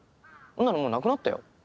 んなのもうなくなったよ。